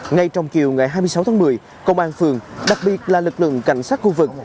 ngay trong chiều ngày hai mươi sáu tháng một mươi công an phường đặc biệt là lực lượng cảnh sát khu vực